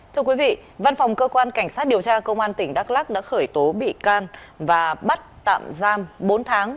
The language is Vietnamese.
thưa quý vị văn phòng cơ quan cảnh sát điều tra công an tỉnh đắk lắc đã khởi tố bị can và bắt tạm giam bốn tháng